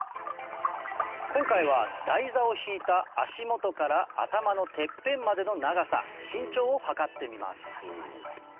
今回は台座を引いた足元から頭のてっぺんまでの長さ身長を測ってみます